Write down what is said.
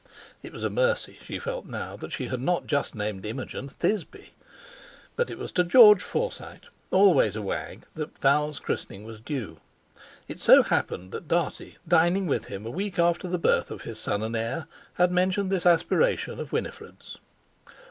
(It was a mercy—she felt now—that she had just not named Imogen Thisbe.) But it was to George Forsyte, always a wag, that Val's christening was due. It so happened that Dartie, dining with him a week after the birth of his son and heir, had mentioned this aspiration of Winifred's.